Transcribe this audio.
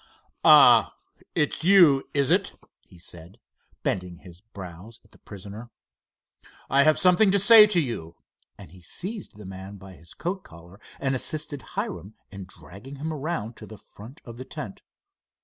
"Ah, it's you is it?" he said, bending his brows at the prisoner. "I have something to say to you," and he seized the man by his coat collar and assisted Hiram in dragging him around to the front of the tent.